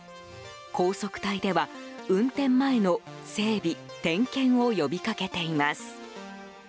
高速隊では運転前の整備・点検を呼びかけています。